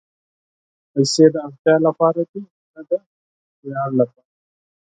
پېسې د اړتیا لپاره دي، نه د فخر لپاره.